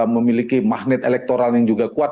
memiliki magnet elektoral yang juga kuat